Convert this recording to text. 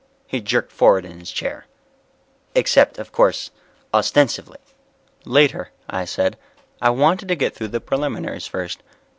He jerked forward in his chair, "Except, of course, ostensively." "Later," I said. I wanted to get through the preliminaries first.